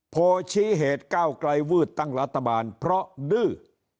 โพลชี้เหตุก้าวไกลวืดตั้งรัฐบาลเพราะดื้อ